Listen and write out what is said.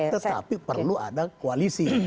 tetapi perlu ada koalisi